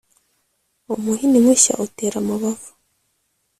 Umuhini mushya utera amabavu.